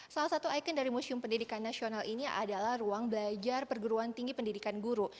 salah satu ikon dari museum pendidikan nasional ini adalah ruang belajar perguruan tinggi pendidikan guru